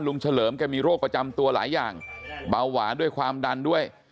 เฉลิมแกมีโรคประจำตัวหลายอย่างเบาหวานด้วยความดันด้วย